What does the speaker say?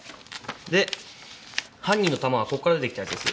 で犯人の弾はこっから出て来たやつです。